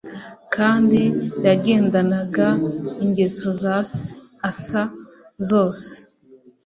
Kandi yagendanaga ingeso za se Asa zose